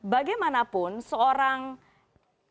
bagaimanapun seorang ex koruptor yang ingin nyalahkan